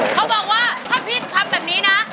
เขาบอกว่าถ้าพี่ทำแบบนี้นะ